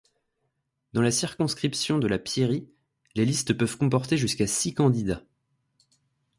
Dans la circonscription de la Piérie, les listes peuvent comporter jusqu'à six candidats.